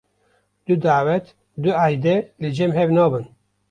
Du dawet du eydê li cem hev nabin.